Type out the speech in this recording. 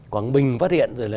quảng bình phát hiện rồi là